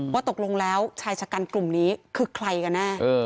ว่าตกลงแล้วชายชะกันกลุ่มนี้คือใครกันแน่